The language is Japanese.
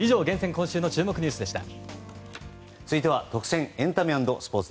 今週の注目ニュースでした。